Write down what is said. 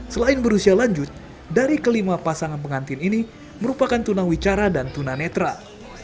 selain berusia lanjut dari kelima pasangan pengantin ini merupakan tuna wicara dan tuna netral